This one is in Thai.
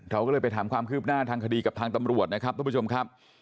เราก็เลยไปถามความคืบหน้าทางคดีกับทางตำรวจนะครับทุกผู้ชมครับ